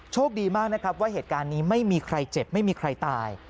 โชคดีมากนะครับว่าเหตุการณ์นี้ไม่มีใครเจ็บไม่มีใครตาย